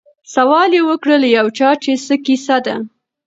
سوال یې وکړ له یو چا چي څه کیسه ده